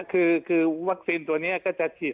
คือวัคซีนตัวนี้ก็จะฉีด